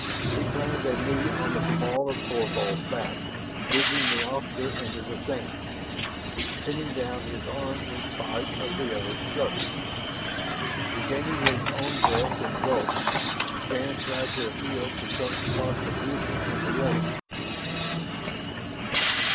He planted a knee on the small of Thorvald's back, digging the officer into the sand, pinning down his arms in spite of the other's struggles. Regaining his own breath in gulps, Shann tried to appeal to some spark of reason in the other.